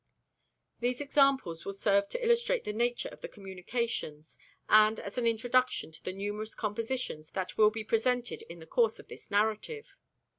These examples will serve to illustrate the nature of the communications, and as an introduction to the numerous compositions that will be presented in the course of this narrative.